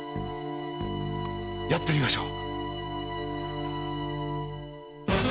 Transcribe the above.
やってみましょう！